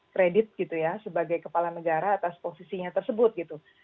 kredit gitu ya sebagai kepala negara atas posisinya tersebut gitu